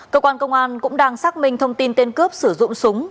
cơ quan công an cũng đang xác minh thông tin tên cướp sử dụng súng